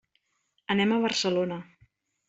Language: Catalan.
Anem a Barcelona.